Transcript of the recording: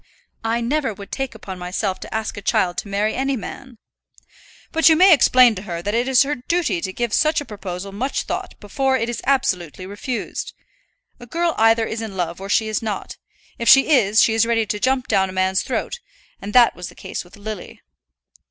"I never would take upon myself to ask a child to marry any man." "But you may explain to her that it is her duty to give such a proposal much thought before it is absolutely refused. A girl either is in love or she is not. If she is, she is ready to jump down a man's throat; and that was the case with Lily."